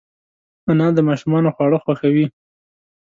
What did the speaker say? انا د ماشومانو خواړه خوښوي